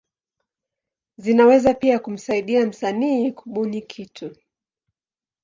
Zinaweza pia kumsaidia msanii kubuni kitu.